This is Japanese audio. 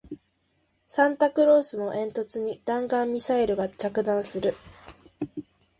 サンタクロースの煙突に弾道ミサイルが着弾する